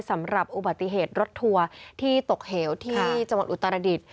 สำหรับอุบัติเหตุรถทัวร์ที่ตกเหวที่จังหวัดอุตรดิษฐ์